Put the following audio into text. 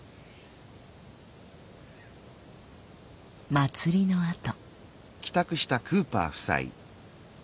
祭りのあと。